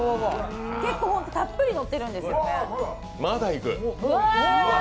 結構本当にたっぷりのってるんですよね。